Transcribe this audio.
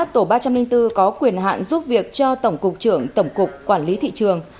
tổ ba trăm linh bốn có quyền hạn giúp việc cho tổng cục trưởng tổng cục quản lý thị trường